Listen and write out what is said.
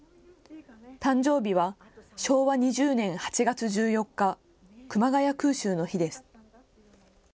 誕生日は昭和２０年８月１４日、熊谷空襲の日です。